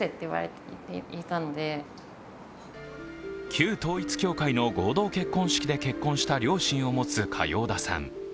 旧統一教会の合同結婚式で結婚した両親を持つ嘉陽田さん。